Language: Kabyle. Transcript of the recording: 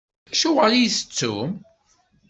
Acuɣeṛ i iyi-tettum?